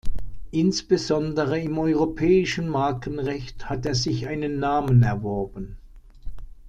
Insbesondere im europäischen Markenrecht hat er sich einen Namen erworben.